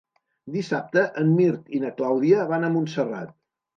Dissabte en Mirt i na Clàudia van a Montserrat.